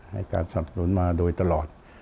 ให้การสับสนุนมาโดยตลอด